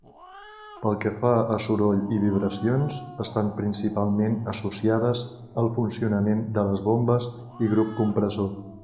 Pel que fa a soroll i vibracions, estan principalment associades al funcionament de les bombes i grup compressor.